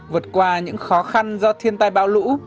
vượt qua những khó khăn do thiên tai bão lũ